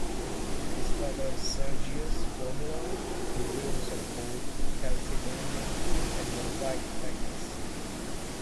This furthered Sergius' formula in realms of both Chalcedonian and Monophysite practice.